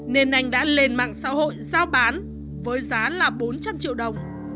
nên anh đã lên mạng xã hội giao bán với giá là bốn trăm linh triệu đồng